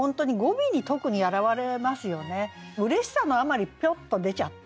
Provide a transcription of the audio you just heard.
うれしさのあまりぴょっと出ちゃった。